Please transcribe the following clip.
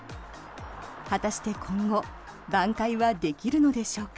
果たして今後ばん回はできるでしょうか？